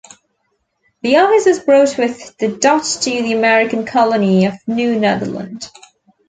The office was brought with the Dutch to the American colony of New Netherland.